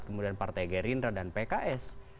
kemudian partai gerindra dan pks